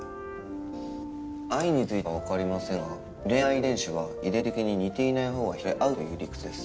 愛についてはわかりませんが恋愛遺伝子は遺伝的に似ていないほうが惹かれ合うという理屈です。